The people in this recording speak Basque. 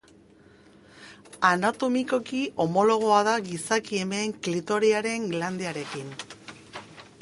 Anatomikoki homologoa da gizaki emeen klitoriaren glandearekin.